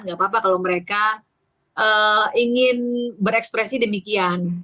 nggak apa apa kalau mereka ingin berekspresi demikian